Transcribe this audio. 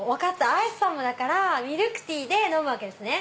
アッサムだからミルクティーで飲むわけですね。